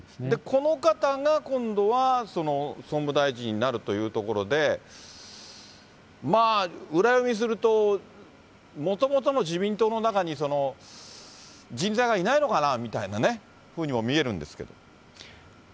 この方が今度は総務大臣になるというところで、裏読みすると、もともとの自民党の中に人材がいないのかなみたいなね、ふうにも見えるんですけれども。